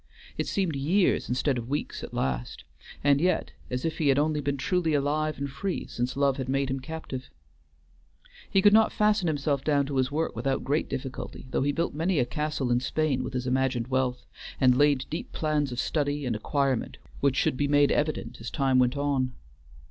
It seemed years instead of weeks at last, and yet as if he had only been truly alive and free since love had made him captive. He could not fasten himself down to his work without great difficulty, though he built many a castle in Spain with his imagined wealth, and laid deep plans of study and acquirement which should be made evident as time went on.